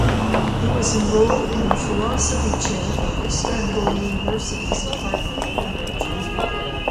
He was enrolled in the philosophy chair of Istanbul University's Department of Literature.